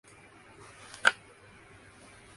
ایسو نے کہا کہ وائٹنگ فیلڈ نے منگل کو پیداوار شروع کی